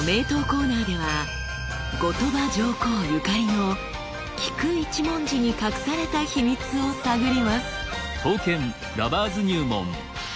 コーナーでは後鳥羽上皇ゆかりの菊一文字に隠された秘密を探ります。